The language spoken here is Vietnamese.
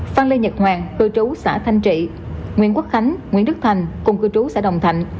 phan lê nhật hoàng cư trú xã thanh trị nguyễn quốc khánh nguyễn đức thành cùng cư trú xã đồng thạnh